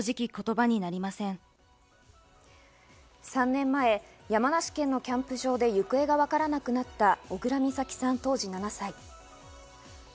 ３年前、山梨県のキャンプ場で行方がわからなくなった小倉美咲さん、当時７歳。